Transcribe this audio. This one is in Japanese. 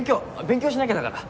勉強しなきゃだから。